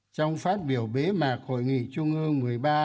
trong phát biểu bế mạc hội nghị trung ương